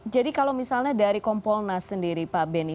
jadi kalau misalnya dari kompolnas sendiri pak beni